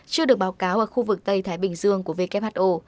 chưa được báo cáo ở khu vực tây thái bình dương của who